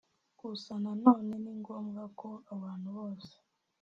Gusa na none ni ngombwa ko abantu bose